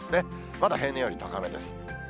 まだ平年より高めです。